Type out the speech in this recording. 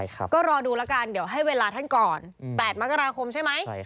ก็รอดูแล้วกันเดี๋ยวให้เวลาท่านก่อน๘มกราคมใช่ไหม